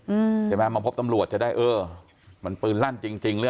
ใช่ไหมมาพบตำรวจจะได้เออมันปืนลั่นจริงจริงหรือ